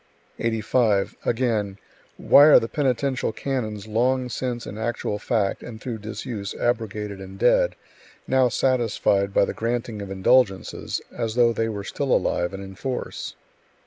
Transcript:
85. Again: "Why are the penitential canons long since in actual fact and through disuse abrogated and dead, now satisfied by the granting of indulgences, as though they were still alive and in force?"